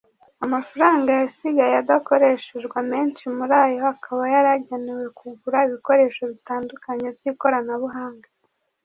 amafaranga yasigaye adakoreshejwe amenshi muri ayo akaba yari agenewe kugura ibikoresho bitandukanye by‘ikoranabuhanga